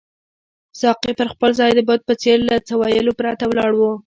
ساقي پر خپل ځای د بت په څېر له څه ویلو پرته ولاړ وو.